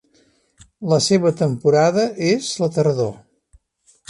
La seva temporada és la tardor.